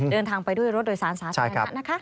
เดินทางไปด้วยรถโดยสารสาธารณะนะคะ